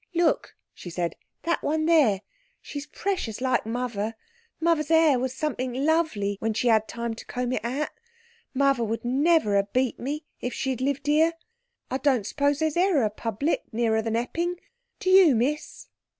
"Look," she said, "that one there—she's precious like mother; mother's "air was somethink lovely, when she "ad time to comb it out. Mother wouldn't never a beat me if she'd lived 'ere—I don't suppose there's e'er a public nearer than Epping, do you, Miss?"